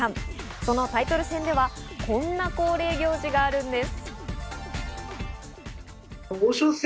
そのタイトル戦ではこんな恒例行事があるんです。